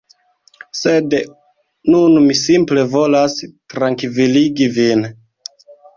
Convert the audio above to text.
Sed nun mi simple volas trankviligi vin